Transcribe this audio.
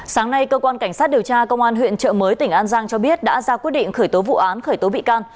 sáng nay cơ quan cảnh sát điều tra công an huyện trợ mới tỉnh an giang cho biết đã ra quyết định khởi tố vụ án khởi tố bị can